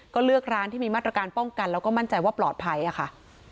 ก็เลือกร้านที่มีมาตรการป้องกันแล้วก็มั่นใจว่าปลอดภัยค่ะ